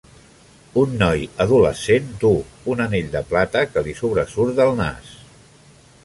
Un noi adolescent duu un anell de plata que li sobresurt del nas.